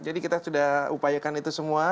jadi kita sudah upayakan itu semua